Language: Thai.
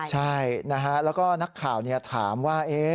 ใช่แล้วก็นักข่าวเนี่ยถามว่า